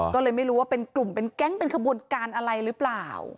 ก็เลยไม่รู้ว่าเป็นกลุ่มเป็นแก๊งเป็นขบวนการอะไรหรือเปล่า